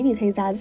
vì thấy giá giá